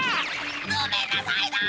ごめんなさいだ！